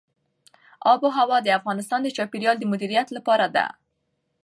آب وهوا د افغانستان د چاپیریال د مدیریت لپاره ده.